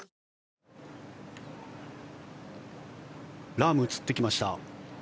ラーム、映ってきました。